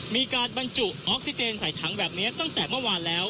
มีการบรรจุออกซิเจนใส่ถังแบบนี้ตั้งแต่เมื่อวานแล้ว